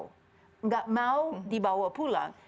tidak mau dibawa pulang